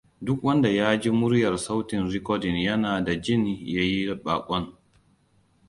Duk wanda ya ji muryar sautin rikodin yana da jin ya ji baƙon.